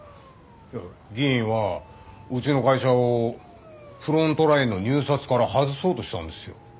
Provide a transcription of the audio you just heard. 議員はうちの会社をフロントラインの入札から外そうとしたんですよ。